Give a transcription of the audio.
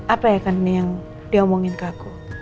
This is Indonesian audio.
apa ya kan yang diomongin ke aku